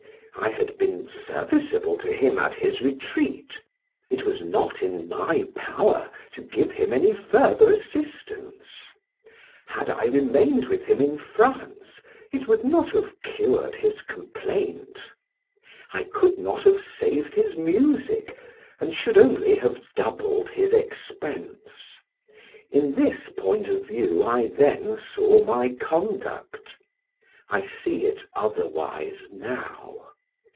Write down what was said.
I had been serviceable to him at his retreat; it was not in my power to give him any further assistance. Had I remained with him in France it would not have cured his complaint. I could not have saved his music, and should only have doubled his expense: in this point of view I then saw my conduct; I see it otherwise now.